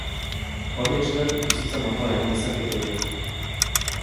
Horri esker, bizitza normala egin dezakete biek.